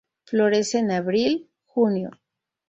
Florece en abril-junio.